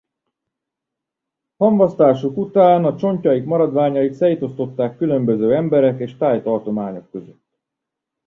Hamvasztásuk után a csontjaik maradványait szétosztották különböző emberek és thai tartományok között.